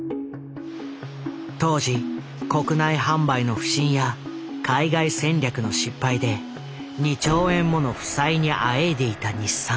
当時国内販売の不振や海外戦略の失敗で２兆円もの負債にあえいでいた日産。